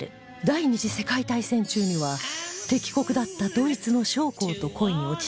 第２次世界大戦中には敵国だったドイツの将校と恋に落ちた事も